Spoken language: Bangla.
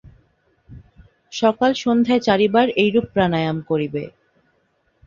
সকাল-সন্ধ্যায় চারিবার এইরূপ প্রাণায়াম করিবে।